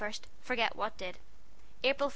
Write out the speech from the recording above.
Forgit what did. April 1.